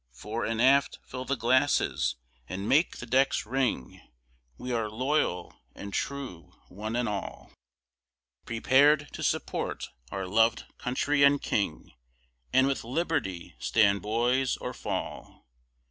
Fore and aft fill the glasses and make the decks ring, We are loyal and true one and all; Prepar'd to support our lov'd Country & King And with liberty stand boys, or fall.